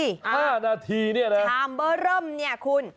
ห้านาทีเนี่ยนะทามเบอร์เริ่มเนี่ยคุณ